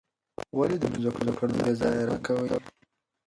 ولې د ټولنیزو کړنو بېځایه رد مه کوې؟